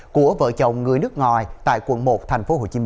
của vợ chồng người nước ngoài tại quận một tp hcm